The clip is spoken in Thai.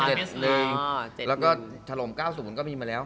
แล้วก็ถล่ม๙๐ก็มีมาแล้ว